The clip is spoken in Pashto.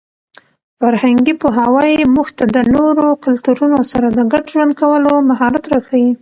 فرهنګي پوهاوی موږ ته د نورو کلتورونو سره د ګډ ژوند کولو مهارت راښيي.